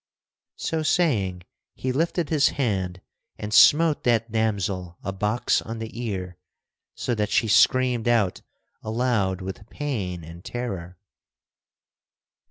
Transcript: So saying, he lifted his hand and smote that damsel a box on the ear so that she screamed out aloud with pain and terror.